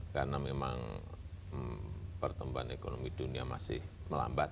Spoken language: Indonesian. karena memang pertumbuhan ekonomi dunia masih melambat